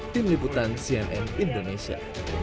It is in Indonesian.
tim liputan cnn indonesia